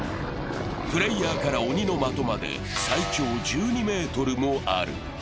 プレーヤーから鬼の的まで、最長１２ｍもある。